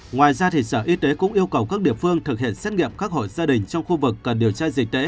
ngoài ra sở y tế cũng yêu cầu các địa phương thực hiện xét nghiệm các hội gia đình trong khu vực cần điều tra dịch tễ